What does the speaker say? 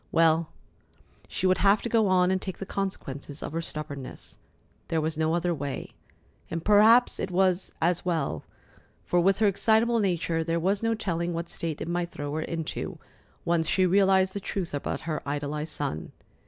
Well, she would have to go on and take the consequences of her stubbornness. There was no other way. And perhaps it was as well, for, with her excitable nature, there was no telling what state it might throw her into, once she realized the truth about her idolized son.